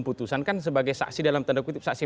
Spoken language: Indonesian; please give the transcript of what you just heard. putusan kan sebagai saksi dalam tanda kutip saksi